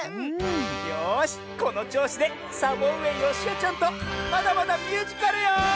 よしこのちょうしでサボうえよしおちゃんとまだまだミュージカルよ！